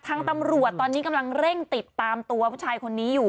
ทางตำรวจตอนนี้กำลังเร่งติดตามตัวผู้ชายคนนี้อยู่